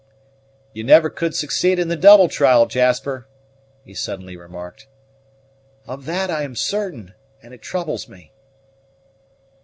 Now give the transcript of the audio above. "You never could succeed in the double trial, Jasper!" he suddenly remarked. "Of that I am certain, and it troubles me."